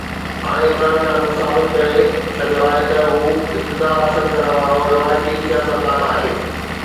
هاڻي عمران خان به ثابت ڪري ڇڏيو آهي ته هو اقتدار حاصل ڪرڻ وارو روايتي سياستدان آهي.